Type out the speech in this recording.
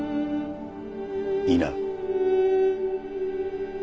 いいな。